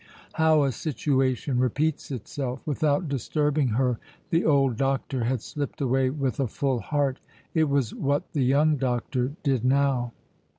How a situation repeats itself! Without disturbing her, the old doctor had slipped away with a full heart. It was what the young doctor did now.